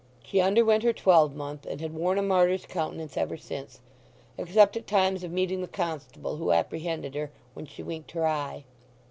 She underwent her twelvemonth, and had worn a martyr's countenance ever since, except at times of meeting the constable who apprehended her, when she winked her eye.